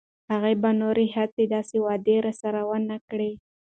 هغه به نوره هیڅ داسې وعده راسره ونه کړي.